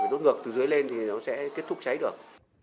đốt ngược từ dưới lên thì nó sẽ kết thúc cháy được